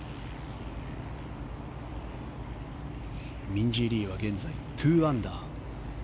ミンジー・リーは現在２アンダー。